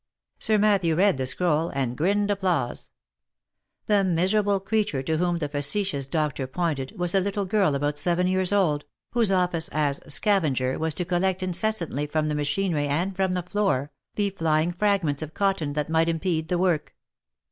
Sir Matthew read the scroll, and grinned applause. The miserable creature to whom the facetious doctor pointed, was a little girl about seven years old, whose office as " scavenger" was to collect incessantly from the machinery and from the floor, the flying fragments of cotton that might impede the work.